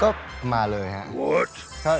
ก็มาเลยฮะ